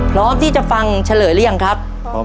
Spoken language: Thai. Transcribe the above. พร้อมที่จะฟังเฉลยหรือยังครับ